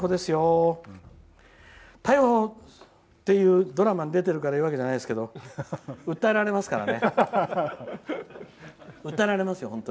「逮捕」っていうドラマに出てるから言うわけじゃないですけど訴えられますから。